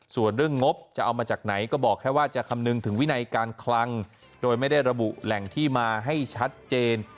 ส่วนเรื่องงบจะเอามาจากไหนก็บอกแค่ว่าจะคำนึงถึงวินัยการคลังโดยไม่ได้ระบุแหล่งที่มาให้ชัดเจน